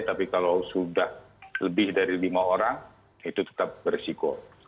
tapi kalau sudah lebih dari lima orang itu tetap berisiko